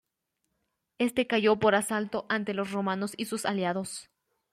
Este cayó por asalto ante los romanos y sus aliados.